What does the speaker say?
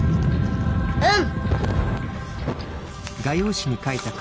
うん！